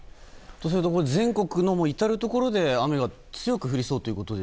そうすると全国の至るところで雨が強く降りそうだと。